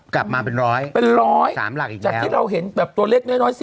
กลับมาเป็นร้อยเป็นร้อยจากที่เราเห็นแบบตัวเล็กน้อย